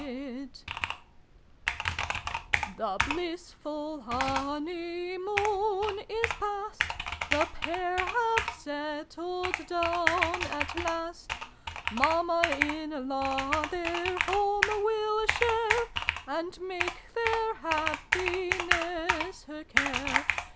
195 The blissful Honey moon is past : The Pair have settled down at last : Mamma in laiv their home zvill share, And make their happiness her care.